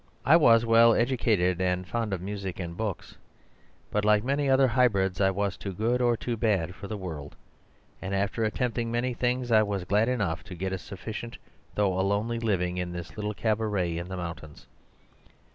I was well educated and fond of music and books. But, like many other hybrids, I was too good or too bad for the world; and after attempting many things I was glad enough to get a sufficient though a lonely living in this little cabaret in the mountains.